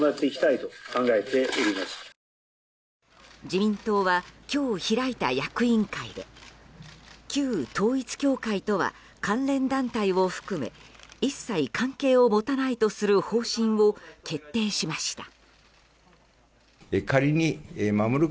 自民党は今日開いた役員会で旧統一教会とは、関連団体を含め一切関係を持たないとする方針を決定しました。